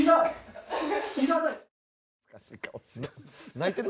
泣いてる？